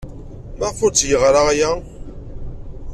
Maɣef ur ttgeɣ ara aya?